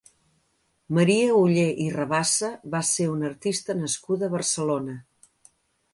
Maria Oller i Rabassa va ser una artista nascuda a Barcelona.